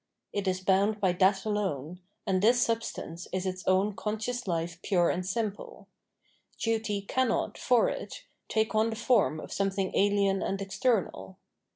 It is bound by that alone, and this sub stance is its own conscious life pure and simple ; duty cannot, for it, take on the form of something alien and external.